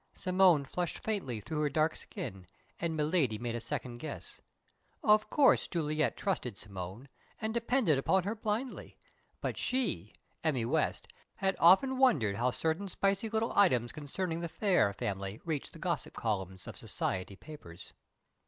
Simone flushed faintly through her dark skin, and "Miladi" made a second guess. Of course Juliet trusted Simone, and depended upon her blindly; but she Emmy West had often wondered how certain spicy little items concerning the Phayre family reached the gossip columns of "society papers."